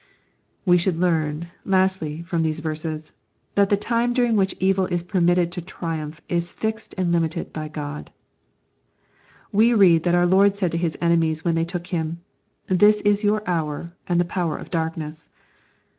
We should learn, lastly, from these verses, that the time during which evil is permitted to triumph is fixed and limited by God. — We read that our Lord said to His enemies when they took Him, " This is your hour and the power of darkness."